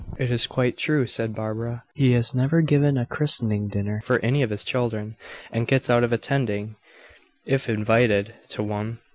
"It is quite true," said Barbara. "He has never given a christening dinner for any of his children, and gets out of attending if invited to one.